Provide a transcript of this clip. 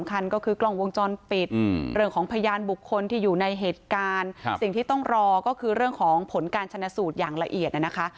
คันก็คือกล้องวงจรปิดเรื่องของพยานบุคคลที่อยู่ในเหตุการณ์สิ่งที่ต้องรอก็คือเรื่องของผลการชนะสูตรอย่างละเอียดนะคะ